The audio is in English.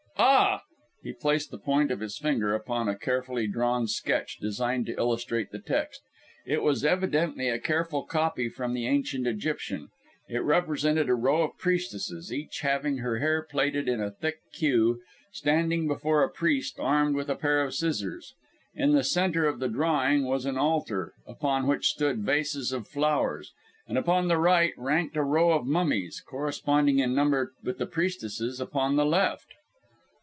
Ah!" He placed the point of his finger upon a carefully drawn sketch, designed to illustrate the text. It was evidently a careful copy from the Ancient Egyptian. It represented a row of priestesses, each having her hair plaited in a thick queue, standing before a priest armed with a pair of scissors. In the centre of the drawing was an altar, upon which stood vases of flowers; and upon the right ranked a row of mummies, corresponding in number with the priestesses upon the left.